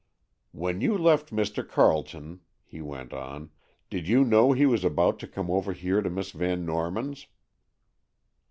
"When you left Mr. Carleton," he went on, "did you know he was about to come over here to Miss Van Norman's?"